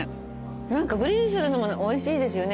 何かグリルするのもおいしいですよね